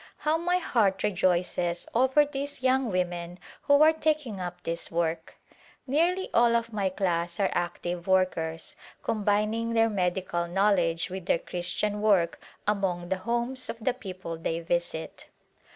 How my heart rejoices over these young women who are taking up this work ! Nearly all of my class are active workers, combining their medical knowledge with their Christian work among the homes of the people they visit.